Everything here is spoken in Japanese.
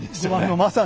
まさに。